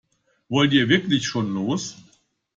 Wollt ihr wirklich schon los?